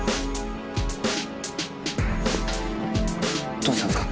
どうしたんですか？